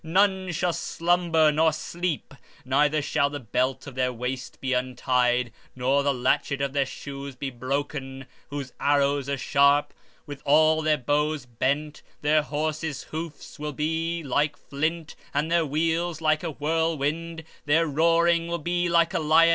15:27 None shall slumber nor sleep; neither shall the girdle of their loins be loosed, nor the latchet of their shoes be broken; 15:28 Whose arrows shall be sharp, and all their bows bent, and their horses' hoofs shall be counted like flint, and their wheels like a whirlwind, their roaring like a lion.